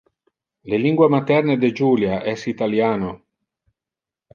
Le lingua materne de Julia es italiano.